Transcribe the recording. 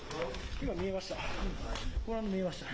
今、見えました。